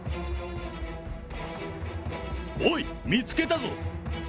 おい、見つけたぞ。